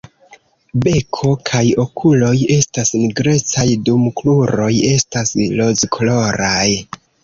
Beko kaj okuloj estas nigrecaj, dum kruroj estas rozkoloraj.